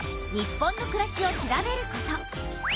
日本のくらしを調べること。